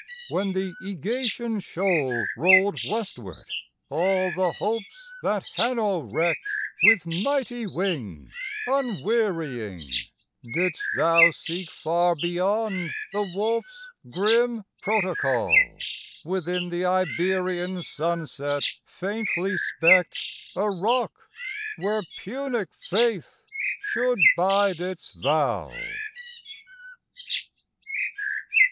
When the Ægation shoal Rolled westward all the hopes that Hanno wrecked With mighty wing, unwearying, didst thou Seek far beyond the wolf's grim protocol, Within the Iberian sunset faintly specked A rock where Punic faith should bide its vow.